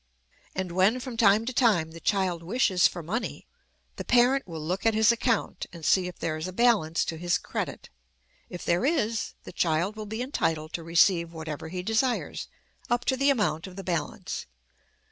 And when, from time to time, the child wishes for money, the parent will look at his account and see if there is a balance to his credit. If there is, the child will be entitled to receive whatever he desires up to the amount of the balance.